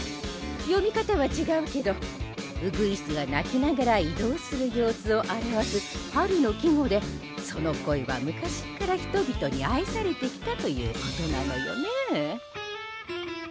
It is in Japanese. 読み方は違うけど鶯が鳴きながら移動する様子を表す春の季語でその声は昔っから人々に愛されてきたということなのよねぇ。